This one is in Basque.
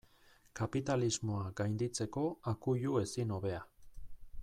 Kapitalismoa gainditzeko akuilu ezin hobea.